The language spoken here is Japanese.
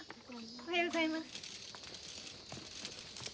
おはようございます。